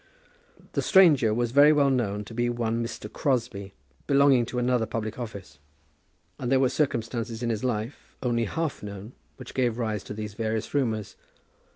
The stranger was very well known to be one Mr. Crosbie, belonging to another public office; and there were circumstances in his life, only half known, which gave rise to these various rumours.